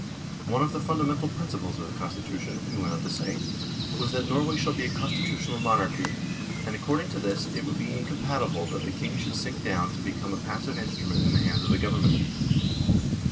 One of the fundamental principles of the 118 NORWAY AND THE UNION WITH SWEDEN Constitution, he went on to say, was that Norway shall be a Constitutional Monarchy, and according to this it would be incompatible that the King should sink down to become a passive instrument in the hands of the Government.